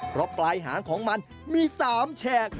เพราะปลายหางของมันมี๓แฉก